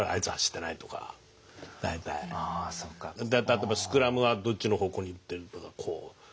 例えばスクラムはどっちの方向に行ってるとかこう。